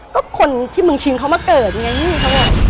ก็คนที่มึงชิงเขามาเกิดนี่เขาบอก